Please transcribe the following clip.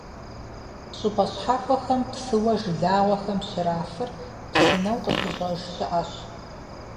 ЩӀыпӀэ щхьэхуэхэм псыуэ жылагъуэхэм щрафыр псынэу къыщьӀщӀэж щыӀэщ.